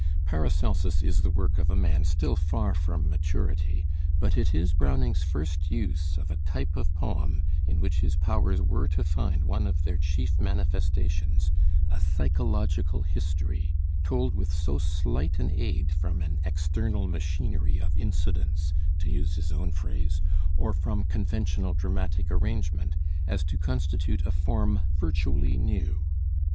'Paracelsus' is the work of a man still far from maturity; but it is Browning's first use of a type of poem in which his powers were to find one of their chief manifestations a psychological history, told with so slight an aid from "an external machinery of incidents" (to use his own phrase), or from conventional dramatic arrangement, as to constitute a form virtually new.